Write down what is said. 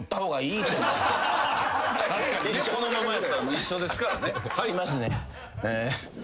確かにこのままやったら一緒ですからね。いきますね。